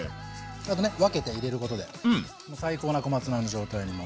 あとね分けて入れることで最高な小松菜の状態に。